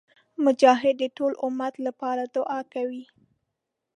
مجاهد د ټول امت لپاره دعا کوي.